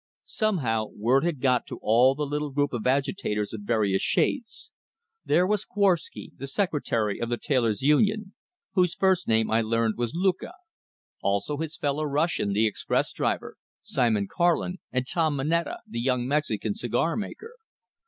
Somehow word had been got to all the little group of agitators of various shades. There was Korwsky, the secretary of the tailors' union whose first name I learned was Luka; also his fellow Russian, the express driver, Simon Karlin, and Tom Moneta, the young Mexican cigar maker.